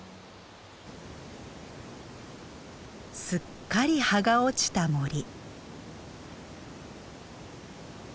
すっかり葉が落ちた森。